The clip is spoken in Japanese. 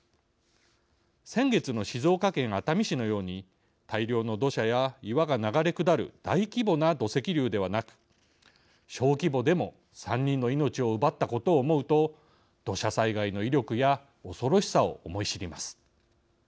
先月の静岡県熱海市のように大量の土砂や岩が流れ下る大規模な土石流ではなく小規模でも３人の命を奪ったことを思うと土砂災害の威力や恐ろしさを思い知ります。